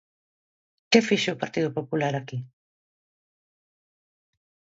¿Que fixo o Partido Popular aquí?